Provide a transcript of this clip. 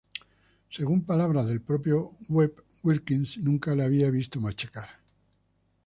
Según palabras del propio Webb, Wilkins nunca le había visto machacar.